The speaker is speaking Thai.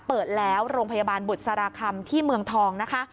เปิดแล้วโรงพยาบาลบุษราคำที่เมืองทองนะคะ